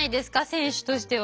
選手としては。